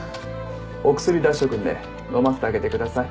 お薬出しとくんで飲ませてあげてください。